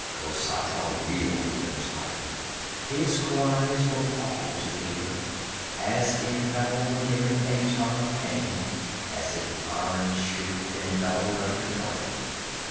Khosatral reeled and tottered; his cries were awful to hear, as if metal were given a tongue of pain, as if iron shrieked and bellowed under torment.